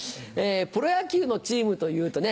プロ野球のチームというとね